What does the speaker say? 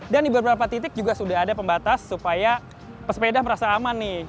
dan di beberapa titik juga sudah ada pembatas supaya pesepeda merasa aman nih